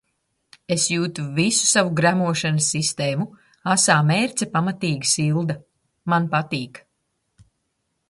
Es jūtu visu savu gremošanas sistēmu, asā mērce pamatīgi silda. Man patīk.